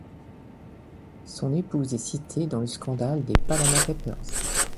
Son épouse est citée dans le scandale des Panama Papers.